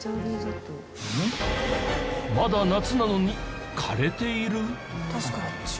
まだ夏なのに枯れている？